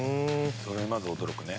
それにまず驚くね。